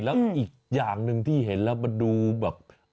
แล้วอีกอย่างหนึ่งที่เห็นแล้วมันดูแบบ